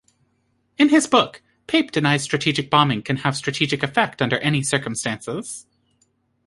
In his book, Pape denies strategic bombing can have strategic effect under any circumstances.